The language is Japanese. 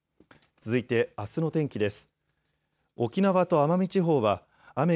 続いてあすの天気です。